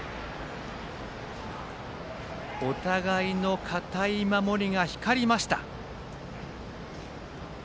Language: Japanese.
お互いの堅い守りが光りました。